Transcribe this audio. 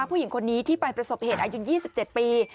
ผู้หญิงคนนี้ที่ไปประสบเหตุอายุ๒๗ปี